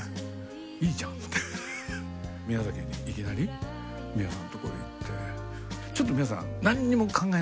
宮崎にいきなり宮さんとこ行って「ちょっと宮さん」。